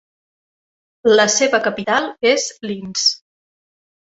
La seva capital és Linz.